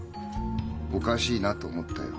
おかしいなと思ったよ。